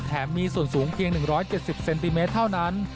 มีส่วนสูงเพียง๑๗๐เซนติเมตรเท่านั้น